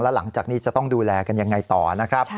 หลังจากนี้จะต้องดูแลกันยังไงต่อนะครับ